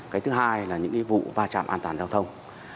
cái thứ hai là những cái vụ va chạm an toàn giao thông